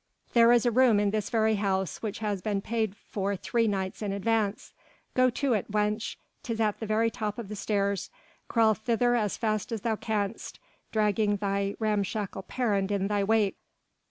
"There is a room in this very house which has been paid for three nights in advance. Go to it, wench, 'tis at the very top of the stairs, crawl thither as fast as thou canst, dragging thy ramshackle parent in thy wake.